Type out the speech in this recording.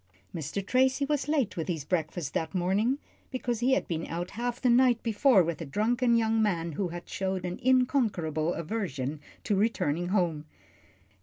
Mr. Tracy was late with his breakfast this morning, because he had been out half the night before with a drunken young man who had showed an unconquerable aversion to returning home.